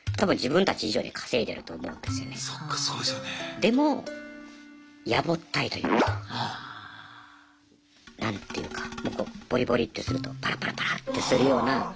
でもやぼったいというか何ていうかこうぼりぼりってするとぱらぱらぱらってするような。